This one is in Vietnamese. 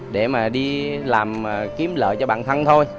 để mà đi làm kiếm lợi cho bản thân thôi